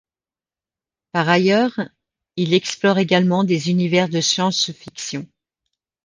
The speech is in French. Par ailleurs, il explore également des univers de science-fiction.